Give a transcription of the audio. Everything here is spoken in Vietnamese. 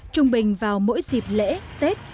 trung bình vào mỗi dịp lễ tết